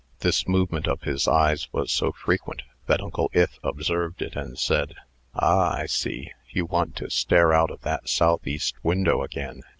This movement of his eyes was so frequent, that Uncle Ith observed it, and said: "Ah, I see! You want to stare out of that southeast window again.